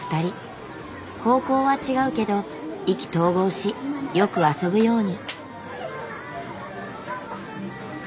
高校は違うけど意気投合しよく遊ぶように。